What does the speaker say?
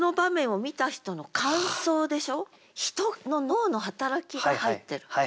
人の脳の働きが入ってる。